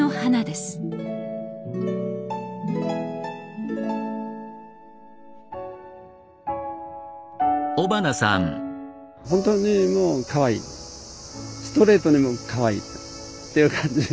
ストレートにもうかわいいっていう感じですよね。